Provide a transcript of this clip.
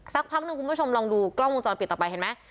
สักพักหนึ่งคุณผู้ชมลองดูกล้องวงจรปิดต่อไปเห็นไหม